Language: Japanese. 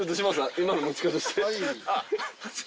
今の持ち方して。